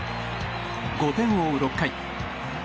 ５点を追う６回。